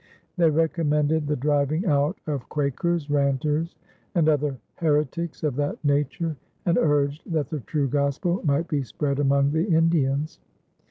They recommended the driving out of "Quakers, Ranters, and other Herritics of that nature," and urged that the true Gospel might be spread among the Indians.